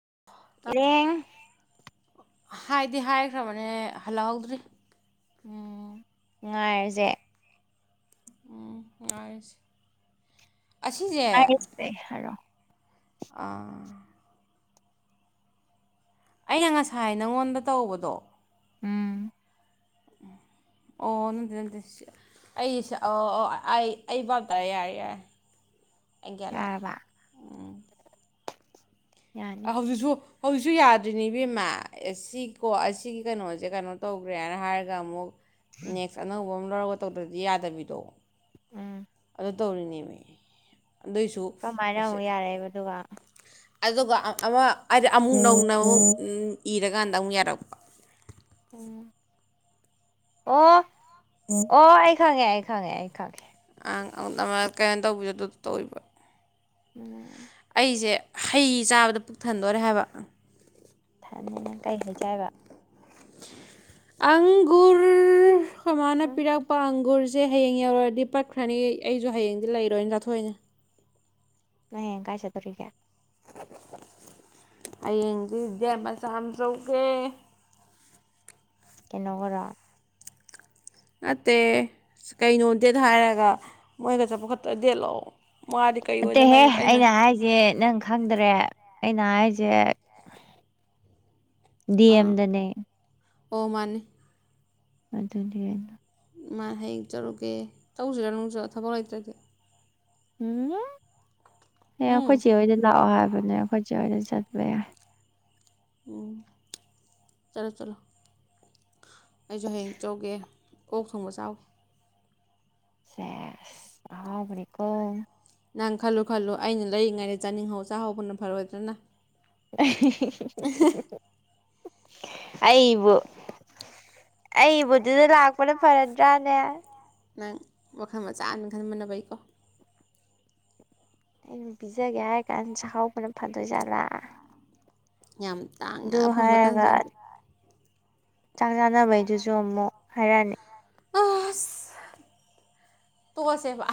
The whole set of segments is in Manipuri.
[inaudible] ꯍꯥꯏꯗꯤ ꯍꯥꯏꯈ꯭ꯔꯕꯅꯦ ꯍꯜꯂꯛꯍꯧꯗ꯭ꯔꯤ ꯎꯝ ꯉꯥꯏꯔꯖꯦ ꯎꯝ ꯉꯥꯏꯔꯖꯦ [unintelligible] ꯑ ꯑꯩꯅ ꯉꯁꯥꯏ ꯅꯉꯣꯟꯗ ꯇꯧꯕꯗꯣ ꯎꯝ ꯑꯣ ꯅꯠꯗꯦ ꯅꯠꯗꯦ ꯁꯤ ꯑꯩꯁ ꯑꯣ ꯑꯣ ꯑꯩ ꯑꯩ ꯚꯕ ꯇꯔꯦ ꯌꯥꯔꯦ ꯌꯥꯔꯦ ꯑꯩ ꯒꯌꯥꯟ ꯂꯥꯏ ꯌꯥꯔꯕ ꯑ ꯌꯥꯅꯤ ꯍꯖꯤꯛꯁꯨ ꯍꯧꯖꯤꯛꯁꯨ ꯌꯥꯗꯔꯤꯅꯦ ꯏꯕꯦꯝꯃ ꯁꯤ ꯀꯣ ꯑꯁꯤꯒꯤ ꯀꯩꯅꯣꯖꯦ ꯀꯩꯅꯣ ꯇꯧꯈ꯭ꯔꯦꯅ ꯍꯥꯏꯔꯒ ꯑꯃꯨꯛ ꯅꯦꯛꯁ ꯑꯅꯧ ꯍꯣꯡ ꯂꯧꯔꯒ ꯇꯧꯗ꯭ꯔꯗꯤ ꯌꯥꯗꯕꯤꯗꯣ ꯎꯝ ꯑꯗꯨ ꯇꯧꯔꯤꯅꯦꯃꯤ ꯑꯗꯨꯏꯁꯨ ꯀꯃꯥꯏꯅ ꯑꯁꯤ ꯑꯃꯨꯛ ꯌꯥꯔꯛꯏꯕ ꯑꯗꯨꯒ ꯑꯗꯨꯒ ꯑ ꯑꯃ ꯍꯥꯏꯗꯤ ꯑꯃꯨꯛ ꯅꯧꯅ ꯑꯃꯨꯛ ꯍꯨꯝ ꯏꯔꯀꯥꯟꯗ ꯑꯃꯨꯛ ꯌꯥꯔꯛꯄ ꯎꯝ ꯑꯣ ꯑꯣ ꯑꯩ ꯈꯪꯉꯦ ꯑꯩ ꯈꯪꯉꯦ ꯑꯩ ꯈꯪꯉꯦ ꯑꯪ ꯑꯧ ꯅꯕ ꯀꯩꯅꯣ ꯇꯧꯕꯗꯣ ꯗꯨꯗꯣ ꯇꯧꯔꯤꯕꯣ ꯎꯝ ꯑꯩꯁꯦ ꯍꯩ ꯆꯥꯕꯗ ꯄꯨꯛꯊꯟꯗꯣꯔꯦ ꯍꯥꯏꯕ ꯊꯟꯅꯤ ꯅꯪ ꯀꯩ ꯍꯩ ꯆꯥꯏꯕ ꯑꯪꯒ꯭ꯨꯔ ꯈꯣꯏ ꯃꯥꯅ ꯎꯝ ꯄꯤꯔꯛꯄ ꯑꯪꯒ꯭ꯨꯔ ꯆꯦ ꯍꯌꯦꯡ ꯌꯧꯔꯗꯤ ꯄꯠꯈ꯭ꯔꯅꯤ ꯑꯩꯁꯨ ꯍꯌꯦꯡꯗꯤ ꯂꯩꯔꯣꯏꯅ ꯆꯥꯊꯣꯛꯏꯅꯦ ꯅꯪ ꯍꯌꯦꯡ ꯀꯥꯏ ꯆꯠꯇꯣꯔꯤꯒꯦ ꯍꯌꯦꯡꯗꯤ ꯗꯦꯠ ꯃꯆꯥ ꯑꯃ ꯆꯧꯎꯒꯦ ꯀꯩꯅꯣꯒꯔꯣ ꯅꯠꯇꯦ ꯀꯩꯅꯣ ꯗꯦꯠ ꯍꯥꯏꯔꯒ ꯃꯣꯏꯒ ꯆꯠꯄ ꯈꯠꯇ ꯗꯦꯠ ꯂꯣ ꯅꯠꯇꯦꯍꯦ ꯑꯩꯅ ꯍꯥꯏꯖꯦ ꯅꯪ ꯈꯪꯗꯔꯦ ꯑꯩꯅ ꯍꯥꯏꯖꯦ ꯗꯤ ꯑꯦꯝꯗꯅꯦ ꯑꯣꯃꯅꯤ ꯑꯗꯨꯅꯦ ꯃꯥ ꯍꯌꯦꯡ ꯆꯠꯔꯨꯀꯦ ꯆꯠꯂꯨꯁꯦꯔ ꯅꯪꯁꯨ ꯊꯕꯛ ꯂꯩꯇ꯭ꯔꯗꯤ ꯎꯝꯍꯨꯝ ꯑꯩ ꯎꯝ ꯑꯩꯈꯣꯏ ꯆꯦ ꯍꯣꯏꯗ ꯂꯥꯛꯑꯣ ꯍꯥꯏ [unintelligible] ꯎꯝ ꯆꯠꯂꯣ ꯆꯠꯂꯣ ꯑꯩꯁꯨ ꯍꯌꯦꯡ ꯆꯠꯎꯒꯦ ꯑꯣꯛ ꯊꯣꯡꯕ ꯆꯥꯎꯒꯦ ꯁꯦꯁ ꯑꯍꯥꯎꯕꯅꯤꯀꯣ ꯅꯪ ꯈꯜꯂꯨ ꯈꯜꯂꯨ ꯑꯩꯅ ꯂꯩꯔꯤꯉꯩꯗ ꯆꯥꯅꯤꯡꯍꯧ ꯆꯥꯛꯍꯧꯕꯅ ꯐꯔꯣꯏꯗ꯭ꯔꯅ [unintelligible] ꯑꯩꯕꯨ ꯑꯩꯕꯨꯗꯨꯗ ꯂꯥꯛꯄꯅ ꯐꯔꯗ꯭ꯔꯥꯅꯦ ꯅꯪ ꯋꯥꯈꯜ ꯃꯆꯥꯃ ꯈꯟꯕꯅ ꯐꯩꯀꯣ ꯑꯩꯅ ꯄꯤꯖꯒꯦ ꯍꯥꯏ ꯀꯥꯟꯗ ꯆꯥꯍꯧꯕꯅ ꯐꯗꯣꯏꯖꯥꯠꯂꯥ ꯌꯥꯝ ꯑꯗꯨ ꯇꯥꯡꯅ ꯐꯪꯕ ꯍꯥꯏꯔꯒ ꯇꯥꯟꯖꯥꯅꯤ ꯆꯥꯛ ꯆꯥꯅꯕꯩꯗꯨꯁꯨ ꯃꯨꯛ ꯍꯥꯏꯔꯛꯑꯅꯤ ꯑꯁ ꯇꯣꯛꯑꯁꯦꯕ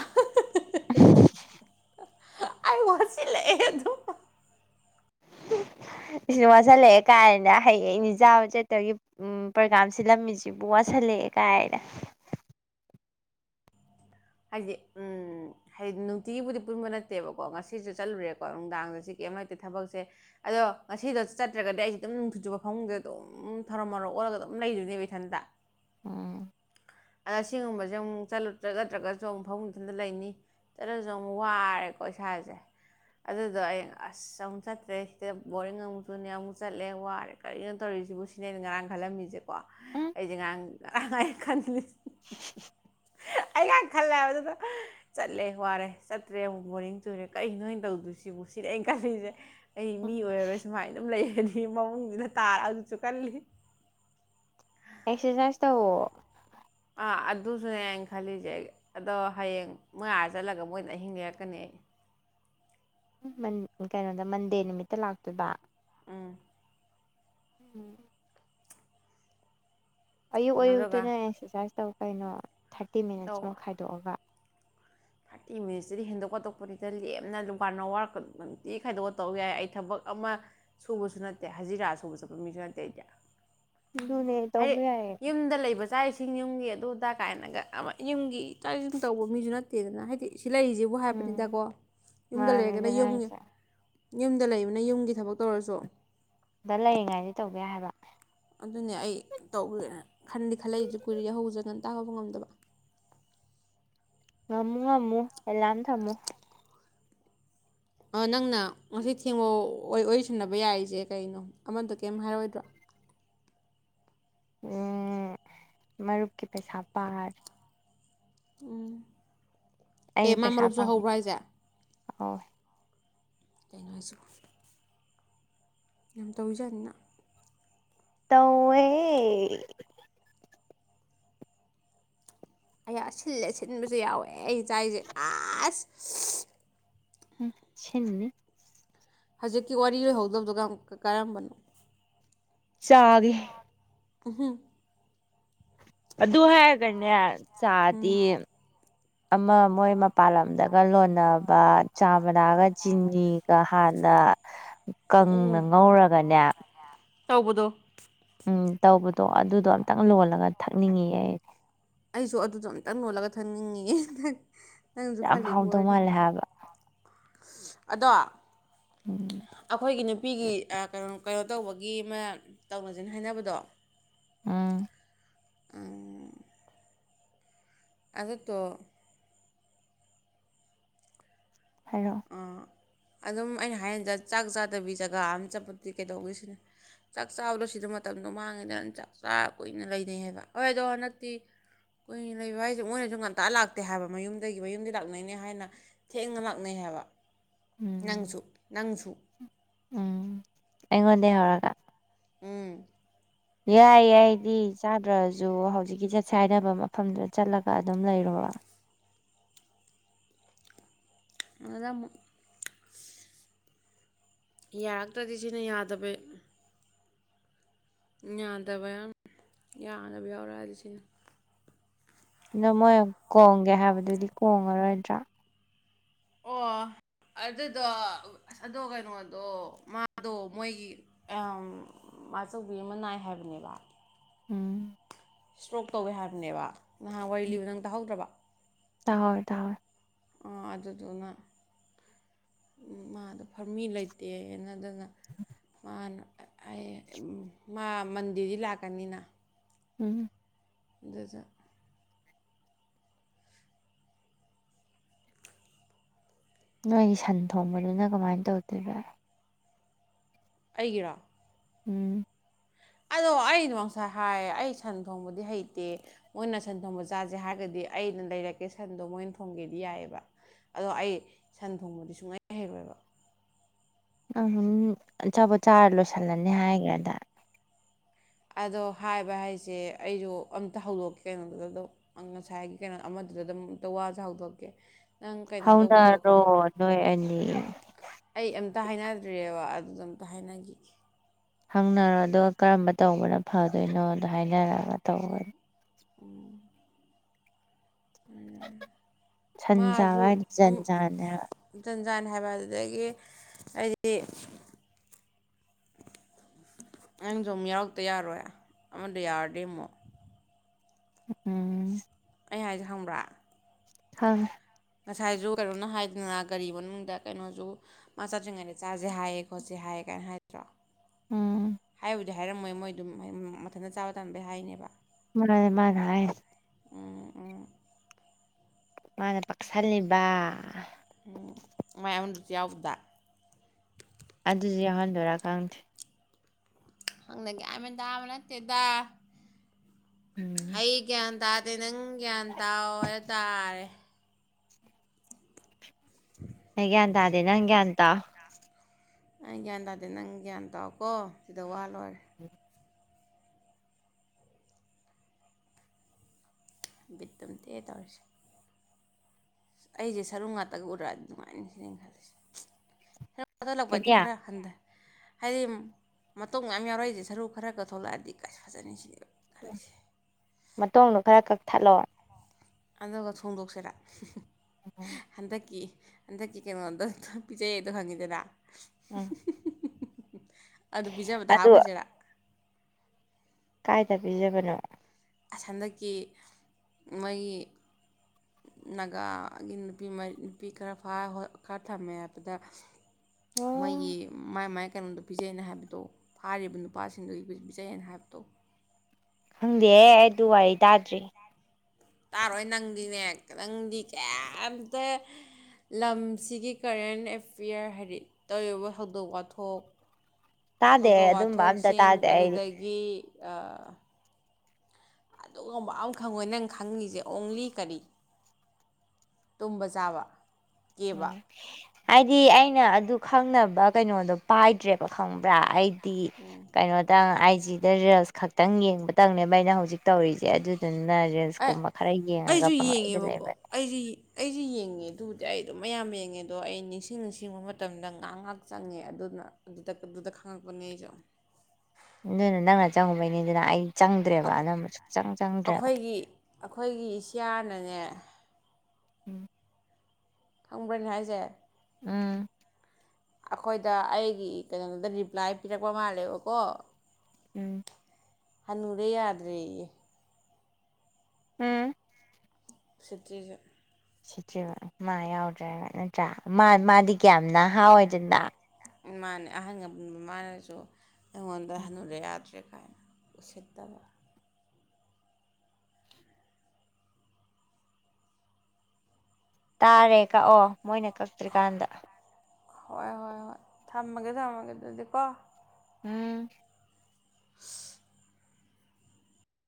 ꯑꯩ ꯋꯥꯁꯤꯜꯂꯛꯑꯦ ꯑꯗꯨ ꯁꯤꯖꯨ ꯋꯥꯁꯜꯂꯛꯑꯦ ꯀꯥꯏꯅ ꯍꯌꯦꯡ ꯑꯩꯅ ꯆꯥꯕ ꯆꯠꯇꯒꯤ ꯎ ꯄ꯭ꯔꯣꯒꯥꯝꯁꯤꯜꯂꯝꯃꯤꯖꯤꯕꯨ ꯋꯥꯁꯜꯂꯛꯑꯦ ꯀꯥꯏꯅ ꯍꯥꯏꯖꯦ ꯎꯝ ꯍꯥꯏꯗꯤ ꯅꯨꯡꯇꯤꯒꯤꯕꯨꯗꯤ ꯄꯨꯟꯕ ꯅꯠꯇꯦꯕꯀꯣ ꯉꯁꯤꯖꯨ ꯆꯠꯂꯨꯔꯦꯀꯣ ꯅꯨꯡꯗꯥꯡꯗꯖꯨ ꯀꯩꯝ ꯂꯩꯇꯦ ꯊꯕꯛꯁꯦ ꯑꯗꯣ ꯉꯁꯤꯗ ꯆꯠꯇ꯭ꯔꯒꯗꯤ ꯑꯩꯖꯦ ꯑꯗꯨꯝ ꯅꯨꯃꯤꯠ ꯆꯨꯞꯕ ꯐꯃꯨꯡꯗ ꯑꯗꯨꯝ ꯊꯔꯣ ꯃꯥꯔꯣ ꯑꯣꯜꯂꯒ ꯑꯗꯨꯝ ꯂꯩꯗꯣꯏꯅꯦꯕ ꯏꯊꯟꯇ ꯑꯝ ꯑꯗ ꯁꯤꯒꯨꯝꯕꯖꯦ ꯑꯃꯨꯛ ꯆꯠꯂꯨꯇ ꯅꯠꯇ꯭ꯔꯒ ꯆꯣꯡ ꯐꯃꯨꯡꯗ ꯏꯊꯟꯗ ꯂꯩꯅꯤ ꯆꯠꯂꯖꯨ ꯑꯃꯨꯛ ꯋꯥꯔꯦꯀꯣ ꯏꯁꯥꯖꯦ ꯑꯗꯨꯗꯣ ꯑꯩ ꯑꯁ ꯑꯃꯨꯛ ꯆꯠꯇ꯭ꯔꯦ ꯁꯤꯗ ꯕꯣꯔꯤꯡ ꯑꯃꯨꯛ ꯆꯨꯅꯤ ꯑꯃꯨꯛ ꯆꯠꯂꯦ ꯋꯥꯔꯦ ꯀꯔꯤꯅꯣ ꯇꯧꯔꯤꯁꯤꯕꯨ ꯁꯤꯅꯦꯅ ꯉꯔꯥꯡ ꯈꯜꯂꯝꯃꯤꯖꯦꯀꯣ ꯎꯝ ꯑꯩꯖꯦ ꯉꯔꯥꯡ ꯉꯔꯥꯡꯥ ꯑꯩ ꯈꯟꯂꯤꯖꯦ ꯑꯩ ꯉꯔꯥꯡ ꯈꯜꯂꯦ ꯍꯥꯏꯕꯗꯨꯗ ꯆꯠꯂꯦ ꯋꯥꯔꯦ ꯆꯠꯇ꯭ꯔꯦ ꯑꯃꯨꯛ ꯕꯣꯔꯤꯡ ꯆꯨꯔꯦ ꯀꯔꯤ ꯅꯣ ꯑꯩꯅ ꯇꯧꯗꯣꯏꯖꯤꯕꯨ ꯁꯤꯅꯦ ꯑꯩꯅ ꯈꯜꯂꯤꯁꯦ ꯑꯩ ꯃꯤ ꯑꯣꯏꯔꯔꯣꯏ ꯁꯨꯃꯥꯏꯅ ꯑꯗꯨꯝ ꯂꯩꯔꯗꯤ ꯐꯤ ꯃꯃꯨꯡꯖꯤꯗ ꯇꯥꯔ ꯑꯗꯨꯖꯨ ꯀꯜꯂꯤ ꯑꯦꯛꯁꯔꯁꯥꯏꯁ ꯇꯧꯑꯣ ꯑꯗꯨꯖꯨꯅꯦ ꯑꯩꯅ ꯈꯜꯂꯤꯖꯦ ꯑꯗꯣ ꯍꯌꯦꯡ ꯃꯣꯏ ꯑꯥ ꯆꯠꯂꯒ ꯃꯣꯏꯗ ꯑꯍꯤꯡ ꯂꯦꯛꯀꯅꯤ ꯃꯟ ꯀꯩꯅꯣꯗ ꯃꯟꯗꯦ ꯅꯨꯃꯤꯠꯇ ꯂꯥꯛꯇꯣꯏꯕ ꯎꯝ ꯎꯝ ꯑꯌꯨꯛ ꯑꯗꯨꯒ ꯑꯌꯨꯛꯇꯨꯅ ꯑꯦꯛꯁꯔꯁꯥꯏꯁ ꯇꯧ ꯀꯩꯅꯣ ꯊꯥꯔꯇꯤ ꯇꯧ ꯃꯤꯅꯠꯁꯃꯨꯛ ꯈꯥꯏꯗꯣꯛꯑꯒ ꯊꯥꯔꯇꯤ ꯃꯤꯅꯤꯠꯁꯇꯨꯗꯤ ꯍꯦꯟꯗꯣꯛ ꯄꯥꯗꯣꯛꯄꯅꯤꯗ ꯂꯦꯝꯅ ꯋꯥꯟ ꯑꯋꯥꯔ ꯅꯨꯡꯇꯤ ꯈꯥꯏꯗꯣꯛꯀ ꯇꯕ ꯌꯥꯏ ꯑꯩ ꯊꯕꯛ ꯑꯃ ꯁꯨꯕꯖꯨ ꯅꯠꯇꯦ ꯍꯖꯤꯔꯥ ꯁꯨꯕ ꯆꯠꯄ ꯃꯤꯖꯨ ꯅꯠꯇꯦ ꯑꯩꯗꯤ ꯑꯗꯨꯅꯦ ꯍꯥꯏꯗꯤ ꯇꯧꯕ ꯌꯥꯏꯌꯦ ꯌꯨꯝꯗ ꯂꯩꯕ ꯆꯥꯛ ꯏꯁꯤꯡ ꯌꯨꯝꯒꯤ ꯑꯗꯨ ꯑꯗꯥ ꯀꯥꯏꯅꯒ ꯑꯃ ꯌꯨꯝꯒꯤ ꯆꯥꯛ ꯏꯁꯤꯡ ꯇꯧꯕ ꯃꯤꯖꯨ ꯅꯠ ꯇꯦꯗꯅꯥ ꯍꯥꯏꯗꯤ ꯁꯤ ꯂꯩꯔꯤꯖꯤꯕꯨ ꯎꯝ ꯍꯥꯏꯕꯅꯤꯗꯀꯣ ꯌꯨꯝꯗ ꯃꯥꯅꯦ ꯂꯩꯔꯒꯅ ꯑꯗꯨꯅꯦ ꯌꯨꯝꯒꯤ ꯍꯥꯏꯁꯦ ꯌꯨꯝꯗ ꯂꯩꯕꯅ ꯌꯨꯝꯒꯤ ꯊꯕꯛ ꯇꯧꯔꯁꯨ ꯑꯗ ꯂꯩꯔꯤꯉꯥꯏꯗꯤ ꯇꯧꯕ ꯌꯥꯏ ꯍꯥꯏꯕ ꯑꯗꯨꯅꯦ ꯑꯩ ꯇꯧꯒꯦ ꯈꯟꯗꯤ ꯈꯜꯂꯛꯏꯖꯦ ꯀꯨꯏꯔꯦ ꯌꯥꯍꯧꯖꯦ ꯉꯟꯇꯥ ꯍꯧꯕ ꯉꯝꯗꯕ ꯉꯝꯃꯨ ꯉꯝꯃꯨ ꯑꯦꯂꯥꯝ ꯊꯝꯃꯨ ꯑꯣ ꯅꯪꯅ ꯉꯁꯤ ꯊꯦꯡꯕ ꯋꯥ ꯋꯥꯔꯤ ꯁꯥꯟꯅꯕ ꯌꯥꯔꯤꯖꯦ ꯀꯩꯅꯣ ꯑꯃꯗꯣ ꯀꯩꯌꯝ ꯍꯥꯏꯔꯛꯑꯣꯏꯗ꯭ꯔꯣ ꯎ ꯃꯔꯨꯞꯀꯤ ꯄꯩꯁꯥ ꯄꯥꯔ ꯎꯝ ꯑꯦ ꯑꯩꯅ ꯃꯥ ꯄꯩꯁꯥ ꯃꯔꯨꯞꯁꯨ ꯐꯪꯉꯦ ꯍꯧꯕ꯭ꯔ ꯍꯥꯏꯖꯦ ꯍꯣꯏ ꯀꯩꯅꯣ ꯍꯥꯏꯁꯤꯕꯣ ꯌꯥꯝ ꯇꯧꯏꯖꯥꯅꯤꯅ ꯇꯧꯌꯦꯦ ꯑꯌꯥ ꯁꯤꯜꯂꯦ ꯁꯤꯟꯕꯖꯨ ꯌꯥꯎꯋꯦ ꯑꯩꯅ ꯆꯥꯏꯖꯦ ꯑꯁ ꯎꯝ ꯁꯤꯟꯅꯤ ꯍꯧꯖꯤꯛꯀꯤ ꯋꯥꯔꯤ ꯂꯣꯏꯍꯧꯗꯕꯗꯣ ꯀꯝ ꯀꯔꯝꯕꯅꯣ ꯆꯥꯒꯦ ꯎꯝ ꯍꯨ ꯑꯗꯨ ꯍꯥꯏꯔꯒꯅꯦ ꯎꯝ ꯆꯥꯗꯤ ꯑꯃ ꯃꯣꯏ ꯃꯄꯥꯟ ꯂꯝꯗꯒ ꯂꯣꯟꯅꯕ ꯆꯥꯃꯅꯥꯥꯒ ꯆꯤꯅꯤꯒ ꯍꯥꯟꯅ ꯎꯝ ꯎꯝ ꯀꯪꯅ ꯎꯝ ꯉꯧꯔꯒꯅꯦ ꯇꯧꯕꯗꯣ ꯇꯧꯕꯗꯣ ꯑꯗꯨꯗꯣ ꯑꯝꯇꯪ ꯂꯣꯜꯂꯒ ꯊꯛꯅꯤꯡꯉꯤ ꯑꯩ ꯑꯩꯁꯨ ꯑꯗꯨꯗ ꯑꯝꯇꯪ ꯂꯣꯜꯂꯒ ꯊꯥꯅꯤꯡꯉꯤꯌꯦ ꯌꯥꯝ ꯍꯥꯎꯗꯧ ꯃꯥꯜꯂꯦ ꯍꯥꯏꯕ ꯑꯗꯣ ꯎꯝ ꯑꯩꯈꯣꯏꯒꯤꯅꯨ ꯅꯨꯄꯤꯒꯤ ꯀꯩꯅꯣ ꯀꯩꯅꯣ ꯇꯧꯕꯒꯤ ꯑꯃ ꯇꯧꯅꯖꯤꯅ ꯍꯥꯏꯅꯕꯗꯣ ꯎꯝ [inaudible] ꯑꯗꯨꯗꯣ ꯍꯥꯏꯔꯛꯑꯣ ꯑꯥ ꯑꯗꯨꯝ ꯑꯩꯅ ꯍꯥꯏꯖꯤꯗ ꯆꯥꯛ ꯆꯥꯗꯕꯤ ꯖꯒꯥ ꯑꯃ ꯆꯠꯄꯗꯤ ꯀꯩꯗꯧꯋꯦꯁꯤꯅꯦ ꯆꯥꯛ ꯆꯥꯕꯗꯣ ꯁꯤꯗ ꯃꯇꯝꯗꯣ ꯃꯥꯡꯉꯤꯗ ꯆꯥꯛ ꯆꯥ ꯀꯨꯏꯅ ꯂꯩꯅꯩ ꯍꯥꯏꯕ ꯍꯣꯏ ꯑꯗꯣ ꯍꯟꯗꯛꯇꯤ ꯀꯨꯏꯅ ꯂꯩꯕ ꯍꯥꯏꯁꯦ ꯃꯣꯏꯅꯁꯨ ꯉꯟꯇꯥ ꯂꯥꯛꯇꯦ ꯍꯥꯏꯕ ꯃꯌꯨꯝꯗꯒꯤ ꯃꯌꯨꯝꯗꯤ ꯂꯥꯛꯅꯩꯅꯦ ꯍꯥꯏꯅ ꯊꯦꯡꯅ ꯂꯥꯛ ꯅꯩ ꯍꯥꯏꯕ ꯎꯝ ꯅꯪꯖꯨ ꯅꯪꯖꯨ ꯎꯝ ꯑꯩꯉꯣꯟꯗꯩ ꯍꯧꯔꯒ ꯎꯝ ꯌꯥꯏ ꯑꯩꯗꯤ ꯆꯥꯗ꯭ꯔꯥꯖꯨ ꯍꯧꯖꯤꯛꯀꯤ ꯆꯠꯁꯦ ꯍꯥꯏꯅꯕ ꯃꯐꯝꯗꯨꯗ ꯆꯠꯂꯒ ꯑꯗꯨꯝ ꯂꯩꯔꯨꯕ ꯑꯗꯨꯗ ꯃꯨꯛ ꯌꯥꯔꯛꯇ꯭ꯔꯥꯗꯤ ꯁꯤꯅ ꯌꯥꯗꯕ ꯌꯥꯗꯕ ꯌꯥ ꯌꯥꯗꯕ ꯌꯥꯎꯔꯛꯑꯗꯤ ꯁꯤꯅꯤ ꯑꯗꯨ ꯃꯣꯏ ꯀꯣꯡꯒꯦ ꯍꯥꯏꯕꯗꯨꯗꯤ ꯀꯣꯡꯉꯔꯣꯏꯗ꯭ꯔꯣ ꯑꯣ ꯑꯗꯨꯗꯣ ꯑꯗꯣ ꯀꯩꯅꯣꯗꯣ ꯃꯥꯗꯣ ꯃꯣꯏꯒꯤ ꯑꯥ ꯃꯆꯧꯕꯤ ꯑꯃ ꯅꯥꯏ ꯍꯥꯏꯕꯅꯦꯕ ꯎꯝ ꯏꯁꯇ꯭ꯔꯣꯛ ꯇꯧꯋꯦ ꯍꯥꯏꯕꯅꯦꯕ ꯅꯍꯥꯟ ꯋꯥꯔꯤ ꯂꯤꯕꯗꯣ ꯅꯪ ꯇꯥꯍꯧꯗ꯭ꯔꯥꯕꯣ ꯍꯣꯏ ꯇꯍꯧꯋꯦ ꯑ ꯑꯗꯨꯗꯨꯅ ꯃꯥꯗꯣ ꯃꯤ ꯂꯩꯇꯦ ꯑꯗꯨꯅ [inaudible] ꯃꯥꯅ ꯑ ꯑꯩ ꯃꯥ ꯃꯟꯗꯦꯗꯤ ꯂꯥꯛꯀꯅꯤꯅ ꯎꯝ [inaudible] ꯅꯣꯏꯒꯤ ꯁꯟ ꯊꯣꯡꯕꯗꯨꯅ ꯀꯃꯥꯏꯅ ꯇꯧꯗꯣꯏꯕ ꯑꯩꯒꯤꯔꯣ ꯎꯝ ꯑꯗꯣ ꯑꯩꯗꯣ ꯉꯁꯥꯢ ꯍꯥꯏꯔꯧ ꯑꯩ ꯁꯟ ꯊꯣꯡꯕꯗꯤ ꯍꯩꯇꯦ ꯃꯣꯏꯅ ꯁꯟ ꯊꯣꯡꯕ ꯆꯥꯖꯧ ꯍꯥꯏꯔꯒꯗꯤ ꯑꯩꯅ ꯂꯩꯔꯛꯀꯦ ꯁꯟꯗꯣ ꯃꯣꯏꯅ ꯊꯣꯡꯒꯦꯗꯤ ꯌꯥꯏꯑꯦꯕ ꯑꯗꯣ ꯑꯩ ꯁꯟ ꯊꯣꯡꯕꯗꯤ ꯁꯨꯡꯍꯩ ꯍꯩꯔꯣꯏꯕ ꯑꯗꯨꯝ ꯑꯆꯥꯄꯣꯠ ꯆꯥꯔ ꯂꯣꯏꯁꯜꯂꯅꯤ ꯍꯥꯏꯈꯒꯔꯦꯗꯥꯏ ꯑꯗꯣ ꯍꯥꯏꯕ ꯍꯥꯏꯁꯦ ꯑꯩꯁꯨ ꯑꯝꯇ ꯍꯧꯗꯣꯛꯀꯦ ꯀꯩꯅꯣꯗꯨꯗ ꯑꯗꯨꯝ ꯉꯁꯥꯏꯒꯤ ꯀꯩꯅꯣ ꯑꯃꯗꯨꯗ ꯑꯗꯨꯝ ꯑꯝꯇ ꯋꯥꯖꯦ ꯍꯧꯗꯣꯛꯀꯦ ꯅꯪ ꯀꯩꯅꯣ ꯇꯧꯕꯗꯣꯀꯣ ꯍꯧꯅꯔꯣ ꯅꯣꯏ ꯑꯅꯤ ꯑꯃꯇ ꯍꯥꯏꯅꯗ꯭ꯔꯤꯑꯕ ꯑꯗꯨꯗ ꯑꯝꯇ ꯍꯥꯏꯅꯈꯤ ꯍꯪꯅꯔꯣ ꯑꯗꯨꯒ ꯀꯔꯝꯕ ꯇꯧꯕꯅꯣ ꯐꯗꯣꯏꯅꯣꯗꯣ ꯍꯥꯏꯅꯔꯒ ꯇꯧꯕꯅꯤ [inaudible] ꯁꯟ ꯆꯥꯕ ꯃꯥꯁꯨ ꯍꯥꯏꯗꯣ ꯖꯟꯖꯥꯟꯅꯦ ꯍꯥꯏꯕ ꯖꯥꯟꯅꯤ ꯍꯥꯏꯕ ꯑꯗꯨꯗꯒꯤ ꯑꯩꯗꯤ ꯑꯉꯥꯡꯁꯨ ꯌꯥꯎꯔꯛꯇ ꯌꯥꯔꯣꯏ ꯑꯃꯗꯣ ꯌꯥꯎꯔꯗꯤ ꯑꯃꯨꯛ ꯎꯝ ꯑꯩ ꯍꯥꯏꯁꯦ ꯈꯪꯕ꯭ꯔꯥ ꯈꯪꯉꯦ ꯉꯁꯥꯏꯁꯨ ꯀꯩꯅꯣꯝꯅ ꯍꯥꯏꯗꯅ ꯒꯥꯔꯤ ꯃꯅꯨꯡꯗ ꯀꯩꯅꯣꯁꯨ ꯃꯥ ꯆꯠꯇ꯭ꯔꯤꯉꯩꯗ ꯆꯥꯁꯦ ꯍꯥꯏꯌꯦ ꯈꯣꯠꯁꯦ ꯍꯥꯏꯌꯦ ꯀꯥꯏꯅ ꯍꯥꯏꯗ꯭ꯔꯣ ꯎꯝ ꯍꯥꯏ ꯗꯤ ꯍꯥꯏꯔꯝꯃꯣꯏ ꯃꯣꯏ ꯑꯗꯨꯝ ꯃꯊꯟꯇ ꯆꯥꯕ ꯇꯟꯕꯩ ꯍꯥꯏꯅꯦꯕ ꯃꯥꯅꯦ ꯃꯥꯅ ꯍꯥꯏ ꯎꯝ ꯎꯝ ꯃꯥꯅ ꯇꯥꯛꯁꯜꯂꯤꯕ ꯎꯝ ꯃꯥꯏ ꯑꯃꯗꯣ ꯌꯥꯎꯕꯗꯨꯗ ꯑꯗꯨꯁꯨ ꯌꯥꯎꯍꯟꯗꯣꯏꯔꯥ ꯀꯪꯗ꯭ꯔꯦ ꯈꯪꯗꯦ ꯒ꯭ꯌꯥꯟ ꯃꯦꯟ ꯇꯕ ꯅꯠꯇꯦꯗ ꯎꯝ ꯑꯩ ꯒ꯭ꯌꯥꯟ ꯇꯗ ꯈꯪꯗꯦ ꯅꯪ ꯒ꯭ꯌꯥꯟ ꯇꯥꯎ ꯍꯥꯏꯗꯣ ꯇꯔꯦ ꯑꯩ ꯒ꯭ꯌꯥꯟ ꯇꯗꯦ ꯅꯪ ꯒ꯭ꯌꯥꯟ ꯇꯥꯎ ꯑꯩ ꯒ꯭ꯌꯥꯟ ꯇꯥꯗꯦ ꯅꯪ ꯒ꯭ꯌꯥꯟ ꯇꯥꯑꯣꯀꯣ ꯁꯤꯗ ꯋꯥ ꯂꯣꯏꯔꯦ ꯕꯤꯠꯇꯨꯝ ꯇꯦꯛ ꯑꯦ ꯇꯧꯔꯤꯁꯦ ꯑꯩꯁꯦ ꯁꯔꯨ ꯉꯥꯛꯇꯒ ꯎꯔꯛꯑ ꯗꯤ ꯅꯨꯡꯉꯥꯏꯅꯤ ꯁꯤꯅꯤ ꯑꯩꯅ ꯈꯜꯂꯤꯁꯦ ꯀꯗꯨ ꯀꯔꯤ ꯂꯥꯛꯄꯗꯤ ꯈꯥꯔ ꯍꯟꯊ ꯍꯥꯏꯗꯤ ꯃꯇꯣꯡ ꯌꯥꯝ ꯌꯥꯎꯔꯛꯏꯁꯦ ꯁꯔꯨ ꯈꯔꯒ ꯊꯣꯛꯂꯛꯑꯗꯤ ꯀꯥꯏꯁꯨ ꯐꯖꯅꯤ ꯁꯤ ꯃꯇꯣꯡꯗꯣ ꯈꯔ ꯀꯛ ꯊꯠꯂꯣ ꯑꯗꯨꯒ ꯊꯣꯡꯗꯣꯛꯁꯤꯔ ꯍꯟꯗꯛꯀꯤ ꯍꯟꯗꯛꯀꯤ ꯀꯩꯅꯣꯗꯣ ꯄꯤꯖꯩꯌꯦꯗꯣ ꯈꯪꯉꯤꯗꯅ ꯎꯝ ꯑꯗꯨ ꯄꯤꯖꯕꯗ ꯑꯗꯨ ꯍꯥꯞꯈꯁꯤꯔ ꯀꯥꯏꯗ ꯄꯤꯖꯕꯅꯣ ꯍꯟꯗꯛꯀꯤ ꯃꯣꯏꯒꯤ ꯅꯥꯒꯥꯒꯤ ꯅꯨꯄꯤ ꯅꯨꯄꯤ ꯈꯔ ꯈꯔ ꯊꯝꯃꯦ ꯍꯥꯏꯕꯗ ꯃꯣꯏꯒꯤ ꯑꯣ ꯃꯥꯏ ꯃꯥꯏ ꯀꯩꯅꯣꯗꯣ ꯄꯤꯖꯩꯑꯅ ꯍꯥꯏꯕꯗꯣ ꯐꯥꯔꯤꯕ ꯅꯨꯄꯥꯁꯤꯡꯗꯨꯒꯤ ꯄꯤꯖꯩꯑꯦ ꯍꯥꯏꯕꯗꯣ ꯈꯪꯗꯦꯍꯦ ꯑꯩ ꯑꯗꯨ ꯋꯥꯔꯤ ꯇꯥꯗ꯭ꯔꯤ ꯇꯥꯔꯣꯏ ꯅꯪꯗꯤꯅꯦ ꯅꯪꯗꯤ ꯀꯩꯝꯇ ꯂꯝꯁꯤꯒꯤ ꯀꯔꯦꯟ ꯑꯦꯐꯤꯌꯔ ꯍꯥꯏꯗꯤ ꯇꯧꯔꯤꯕ ꯊꯧꯗꯣꯛ ꯋꯥꯊꯣꯛ ꯇꯥꯗꯦ ꯊꯧꯗꯣꯛ ꯑꯗꯨꯝꯕ ꯑꯝꯇ ꯋꯥꯊꯣꯛꯁꯤꯡ ꯇꯥꯗꯦ ꯑꯩꯗꯤ ꯑꯗꯨꯗꯒꯤ ꯑꯥ ꯑꯗꯨꯒꯨꯝꯕ ꯑꯃ ꯈꯪꯉꯣꯏ ꯅꯪ ꯈꯪꯉꯤꯁꯦ ꯑꯣꯡꯂꯤ ꯀꯔꯤ ꯇꯨꯝꯕ ꯆꯥꯕ ꯀꯦꯕ [inaudible] ꯍꯥꯏꯗꯤ ꯑꯩꯅ ꯑꯗꯨ ꯈꯪꯅꯕ ꯀꯩꯅꯣꯗꯣ ꯄꯥꯏꯗ꯭ꯔꯦꯕ ꯈꯪꯕ꯭ꯔꯥ ꯎꯝ ꯑꯩ [unintelligible] ꯁꯤꯗ ꯔꯤꯜꯁ ꯈꯛꯇꯪ ꯌꯦꯡꯕꯇꯪꯅꯦꯕ ꯑꯩꯅ ꯍꯧꯖꯤꯛ ꯇꯧꯔꯤꯁꯦ ꯑꯗꯨꯗꯨꯅ ꯅ ꯑꯦ ꯔꯤꯜꯁꯀꯨꯝꯕ ꯈꯔ ꯑꯩꯁꯨ ꯌꯦꯡꯉꯒ ꯄꯪꯂꯩꯗ ꯂꯩꯕꯅꯦ ꯉꯦ ꯗꯨꯗꯤ ꯑꯩ ꯑꯗꯨꯝ ꯃꯌꯥꯝ ꯌꯦꯡꯉꯦ ꯑꯗꯣ ꯑꯩ ꯅꯤꯡꯁꯤꯡ ꯅꯤꯡꯁꯤꯡꯕ ꯃꯇꯝꯗ ꯉꯥꯏꯍꯥꯛ ꯉꯥꯏꯍꯥꯛ ꯆꯪꯉꯦ ꯑꯗꯨꯅ ꯑꯗꯨꯗ ꯑꯗꯨꯗ ꯈꯪꯉꯛꯄꯅꯦ ꯑꯩꯁꯨ ꯅꯣꯏꯅ ꯅꯪꯅ ꯆꯪꯉꯨꯕꯩꯅꯤꯗꯅ ꯑꯩ ꯆꯪꯗ꯭ꯔꯦꯕ ꯑꯈꯣ- ꯑꯅꯝꯕ ꯁꯨꯛꯆꯪ ꯆꯪꯗ꯭ꯔꯦꯕ ꯑꯩꯈꯣꯏꯒꯤ ꯑꯩꯈꯣꯏꯒꯤ ꯏꯆꯥꯅꯅꯦ ꯎꯝ ꯈꯪꯕ꯭ꯔ ꯑꯩꯅ ꯍꯥꯏꯁꯦ ꯎꯝ ꯑꯩꯈꯣꯏꯗ ꯑꯩꯒꯤ ꯀꯩꯅꯣꯗ ꯔꯤꯄ꯭ꯂꯥꯏ ꯄꯤꯔꯛꯄ ꯃꯥꯜꯂꯦꯕꯀꯣ ꯎꯝ ꯍꯅꯨꯔꯦ ꯌꯥꯗ꯭ꯔꯦ ꯌꯦ ꯎꯝ ꯎꯁꯤꯠꯇ꯭ꯔꯤꯖꯦ ꯁꯤꯠꯇ꯭ꯔꯤꯕ ꯃꯥ ꯌꯥꯎꯗ꯭ꯔꯦꯅ ꯅꯠꯇ꯭ꯔꯥ ꯃꯥ ꯃꯥꯗꯤ ꯀꯌꯥꯝ ꯅꯍꯥ ꯑꯣꯏꯗꯅ ꯃꯥꯅꯦ ꯑꯍꯟꯒ ꯄꯨꯡꯕ ꯃꯥꯅꯁꯨ ꯑꯩꯉꯣꯟꯗ ꯍꯅꯨꯔꯦ ꯌꯥꯗ꯭ꯔꯦ ꯀꯥꯏꯅ ꯎꯁꯤꯠꯇꯕ ꯇꯥꯔꯦ ꯀꯛꯑꯣ ꯃꯣꯏꯅ ꯀꯛꯇ꯭ꯔꯤꯀꯥꯟꯗ ꯍꯣꯏ ꯍꯣꯏ ꯍꯣꯏ ꯊꯝꯃꯒꯦ ꯊꯝꯃꯒꯦ ꯑꯗꯨꯗꯤ ꯀꯣ ꯎꯝ